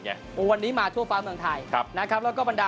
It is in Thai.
ก่อนนี้มาทั่วฟ้าเมืองไทย